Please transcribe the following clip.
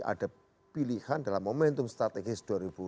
ada pilihan dalam momentum strategis dua ribu dua puluh